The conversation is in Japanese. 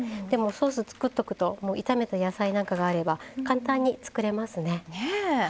でもソース作っとくと炒めた野菜なんかがあれば簡単に作れますね。